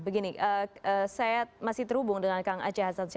begini saya masih terhubung dengan kang aceh hasan